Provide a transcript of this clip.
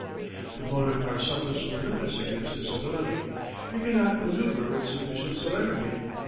The motor car suffers from another serious disability. It cannot manoeuvre with sufficient celerity.